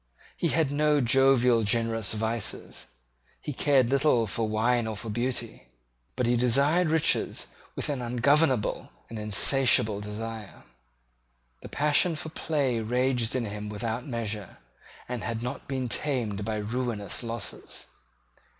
He had no jovial generous vices. He cared little for wine or for beauty: but he desired riches with an ungovernable and insatiable desire. The passion for play raged in him without measure, and had not been tamed by ruinous losses.